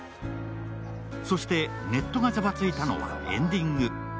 そしてネットがザワついたのはエンディング。